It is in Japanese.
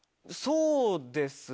そうですね